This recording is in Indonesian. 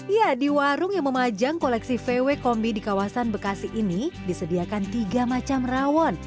ya di warung yang memajang koleksi vw kombi di kawasan bekasi ini disediakan tiga macam rawon